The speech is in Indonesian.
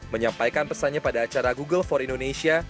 menyampaikan pesannya pada acara google for indonesia